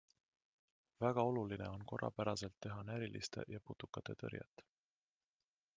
Väga oluline on korrapäraselt teha näriliste ja putukate tõrjet.